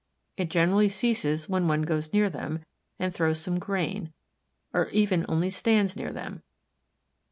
It generally ceases when one goes near them and throws some grain, or even only stands near them.